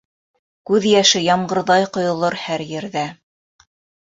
Күҙ йәше ямғырҙай ҡойолор һәр ерҙә.